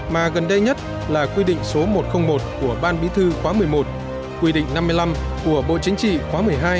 mà gần đây nhất là quy định số một trăm linh một của ban bí thư khóa một mươi một quy định năm mươi năm của bộ chính trị khóa một mươi hai